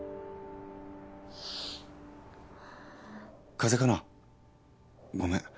「風邪かな？ごめん」